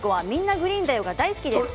グリーンだよ」が大好きです。